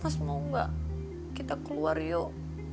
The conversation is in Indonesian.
mas mau nggak kita keluar yuk